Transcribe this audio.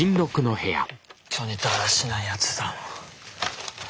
ほんとにだらしないやつだな。